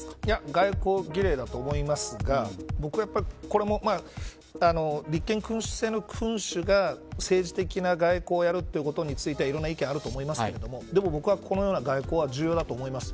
外交儀礼だと思いますが僕はこれも、立憲君主制の君主が政治的な外交をやるということについてはいろんな意見あると思いますけどでも、僕はこのような外交は重要だと思います。